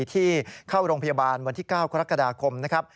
ที่เข้าโรงพยาบาลวันที่๙กรกฎาคมนะครับ